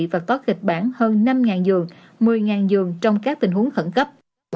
và có kịch bản hơn năm giường một mươi giường trong các tình huống khẩn cấp